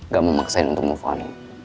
gak mau maksain untuk move on